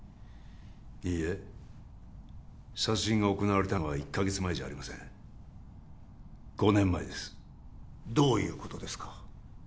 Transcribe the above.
いいえ殺人が行われたのは１カ月前じゃありません５年前ですどういうことですか？